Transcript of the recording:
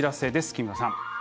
木村さん。